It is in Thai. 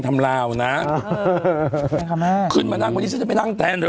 ทำลาวนะเออขอบคุณค่ะแม่ขึ้นมานั่งวันนี้ฉันจะไปนั่งแทนเถอะ